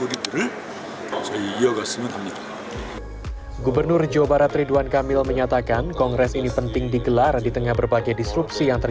dalam hubungan kewirausahaan terdapat beberapa hal